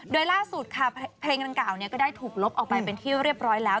โดยล่าสุดค่ะเพลงดังกล่าวก็ได้ถูกลบออกไปเป็นที่เรียบร้อยแล้ว